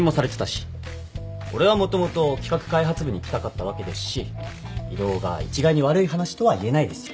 俺はもともと企画開発部に行きたかったわけですし異動が一概に悪い話とは言えないですよ。